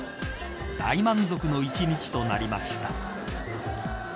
大満足の一日となりました